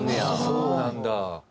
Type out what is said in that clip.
そうなんだ。